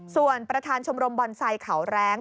ส่วนประธานชมรมบอนไซค์เขาแรง